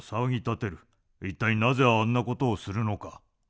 一体なぜあんなことをするのか。